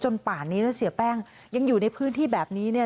ป่านนี้แล้วเสียแป้งยังอยู่ในพื้นที่แบบนี้เนี่ย